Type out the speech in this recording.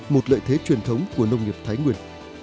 một lợi thế truyền thống của nông nghiệp thái nguyên